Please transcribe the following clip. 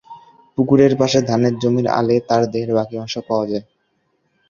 পুকুরের পাশে ধানের জমির আলে তার দেহের বাকি অংশ পাওয়া যায়।